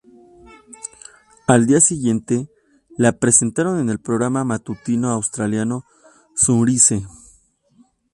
Al día siguiente, la presentaron en el programa matutino australiano "Sunrise".